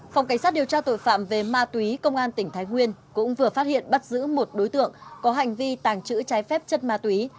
phòng cảnh sát điều tra tội phạm về ma túy công an tỉnh thái nguyên cũng vừa phát hiện bắt giữ một đối tượng có hành vi tàng trữ trái phép chất ma túy